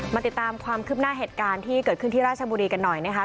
ติดตามความคืบหน้าเหตุการณ์ที่เกิดขึ้นที่ราชบุรีกันหน่อยนะคะ